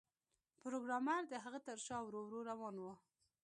پروګرامر د هغه تر شا ورو ورو روان و